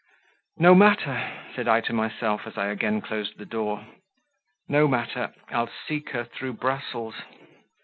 "No matter," said I to myself, as I again closed the door. "No matter I'll seek her through Brussels."